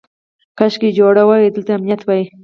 کاشکې جوړ وای او دلته امنیت وای.